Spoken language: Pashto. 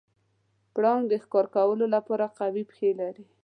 پړانګ د ښکار کولو لپاره قوي پښې لري.